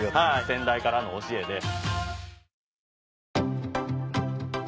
先代からの教えで。